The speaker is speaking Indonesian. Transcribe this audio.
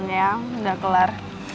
ya udah kelar